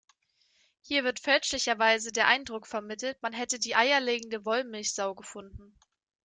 Hier wird fälschlicherweise der Eindruck vermittelt, man hätte die eierlegende Wollmilchsau gefunden.